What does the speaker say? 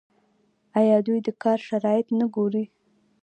آیا دوی د کار شرایط نه ګوري؟